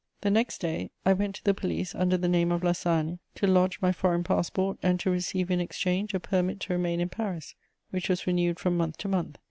The next day I went to the police, under the name of La Sagne, to lodge my foreign passport and to receive in exchange a permit to remain in Paris, which was renewed from month to month.